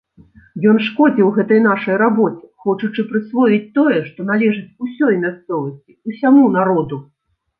Ён шкодзіў гэтай нашай рабоце, хочучы прысвоіць тое, што належыць усёй мясцовасці, усяму народу.